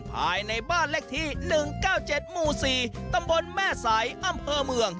ภายในบ้านเลขที่๑๙๗หมู่๔ตำบลแม่สายอำเภอเมือง